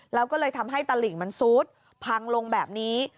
แล้วก็เลยทำให้ตลิ่งมันซุดพังลงแบบนี้